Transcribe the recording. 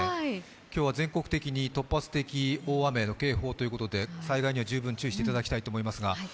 今日は全国的に突発的大雨の警報ということで、災害には十分注意していただきたいと思います。